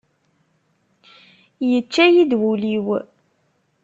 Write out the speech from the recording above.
Yečča-yi-d wul-iw!